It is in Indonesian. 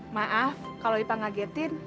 maaf kalau ipah ngagetin